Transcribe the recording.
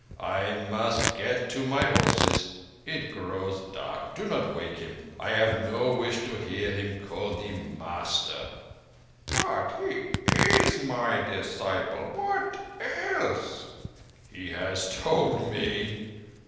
I must get to my horses. It grows dark. Do not wake him. I have no wish to hear him call thee master." "But he is my disciple. What else?" "He has told me."